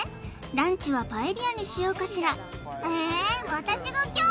ランチはパエリアにしようかしらえっ私が凶？